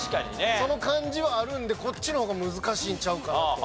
その感じはあるんでこっちの方が難しいんちゃうかなと。